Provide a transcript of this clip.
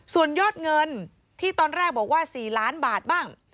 ส่วนยอดเงินที่ตอนแรกบอกว่า๔ล้านบาทบ้าง